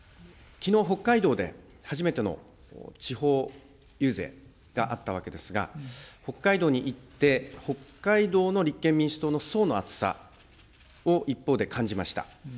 きのう、北海道で初めての地方遊説があったわけですが、北海道に行って、北海道の立憲民主党の層の厚さを一方で感じました。